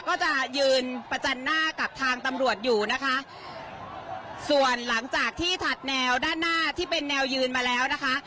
ก็จะยืนประจันหน้ากับทางตำรวจอยู่นะคะส่วนหลังจากที่ถัดแนวด้านหน้าที่เป็นแนวยืนมาแล้วนะคะ